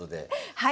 はい。